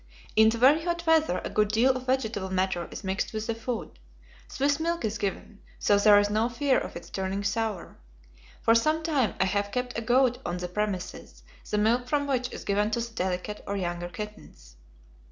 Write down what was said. In the very hot weather a good deal of vegetable matter is mixed with the food. Swiss milk is given, so there is no fear of its turning sour. For some time I have kept a goat on the premises, the milk from which is given to the delicate or younger kittens.